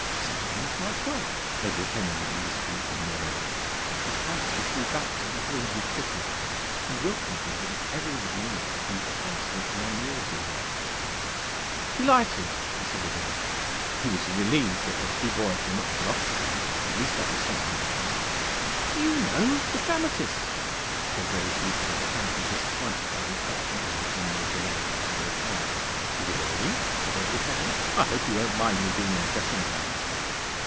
"Same name as my dog," Edward Henry indiscreetly murmured; and his fancy flew back to the home he had quitted, and Wilkins's and everybody in it grew transiently unreal to him. "Delighted!" he said again. He was relieved that her two boys were not her offspring. That at least was something gained. "You know the dramatist," said Rose Euclid, apparently disappointed by the effect on Edward Henry of the name of Carlo Trent. "Really!" said Edward Henry. "I hope he won't mind me being in a dressing gown."